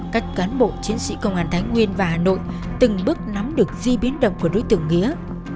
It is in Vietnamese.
các cán bộ chiến sĩ công an thái nguyên và hà nội từng bước nắm được di biến động của đối tượng nghĩa